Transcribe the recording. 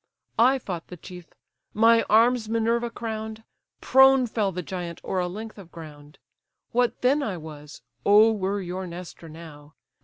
I fought the chief: my arms Minerva crown'd: Prone fell the giant o'er a length of ground. What then I was, O were your Nestor now!